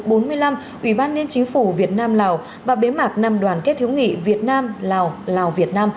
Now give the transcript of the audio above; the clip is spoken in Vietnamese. ubnd chính phủ việt nam lào và bế mạc năm đoàn kết hướng nghị việt nam lào lào việt nam hai nghìn hai mươi hai